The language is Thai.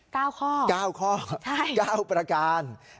๙ข้อใช่๙ข้อ๙ประการ